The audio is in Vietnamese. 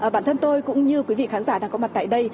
bản thân tôi cũng như quý vị khán giả đang có mặt tại đây